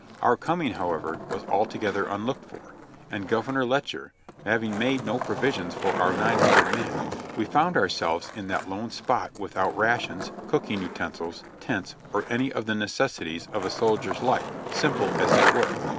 Our coming, however, was altogether unlooked for, and Governor Letcher, having made no provisions for our nine hundred men, we found ourselves in that lone spot without rations, cooking utensils, tents, or any of the necessities of a soldier's life, simple as they were.